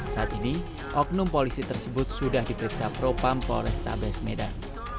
saat ini oknum polisi tersebut sudah diperiksa propam polrestabes medan